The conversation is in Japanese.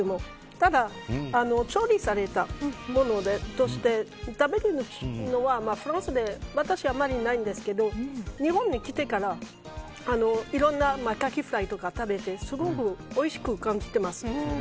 ただ、調理されたものとして食べるのはフランスで私は、あまりないんですけど日本に来てからいろんな、カキフライとか食べてすごくおいしく感じてます。